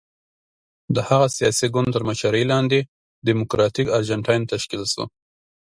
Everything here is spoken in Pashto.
د هغه سیاسي ګوند تر مشرۍ لاندې ډیموکراتیک ارجنټاین تشکیل شو.